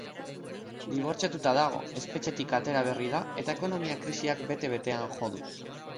Dibortziatuta dago, espetxetik atera berri da eta ekonomia krisiak bete-betean jo du.